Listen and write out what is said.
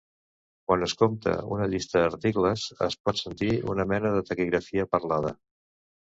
Quan es compta una llista d'articles es pot sentir una mena de taquigrafia parlada.